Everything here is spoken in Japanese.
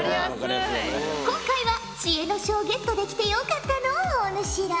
今回は知恵の書をゲットできてよかったのうお主ら。